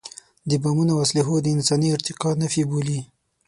د بمونو او اسلحو د انساني ارتقا نفي بولي.